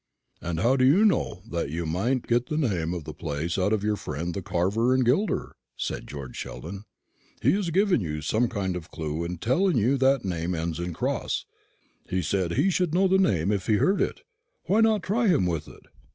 "And how do you know that you mayn't get the name of the place out of your friend the carver and gilder?" said George Sheldon; "he has given you some kind of clue in telling you that the name ends in Cross. He said he should know the name if he heard it; why not try him with it?"